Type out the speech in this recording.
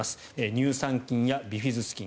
乳酸菌やビフィズス菌。